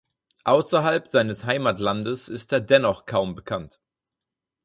Außerhalb seines Heimatlandes ist er dennoch kaum bekannt.